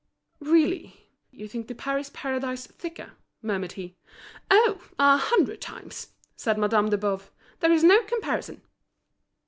"Really you think the Paris Paradise thicker?" murmured he. "Oh! a hundred times!" said Madame de Boves. "There's no comparison."